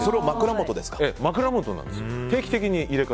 枕元なんですよ。